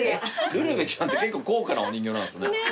ルルベちゃんって結構高価なお人形なんですね？